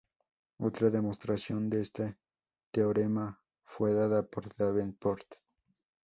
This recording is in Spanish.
Otra demostración de este teorema fue dada por Davenport.